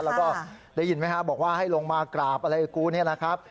แล้วก็ได้ยินไหมครับบอกว่าให้ลงมากราบอะไรกับกูเนี่ยนะครับ